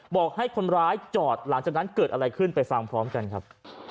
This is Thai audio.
บอกให้คนร้ายจอดหลังจากนั้นเกิดอะไรขึ้นไปฟังพร้อมกันครับ